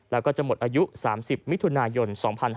แล้วก็จะหมดอายุ๓๐มิถุนายน๒๕๕๙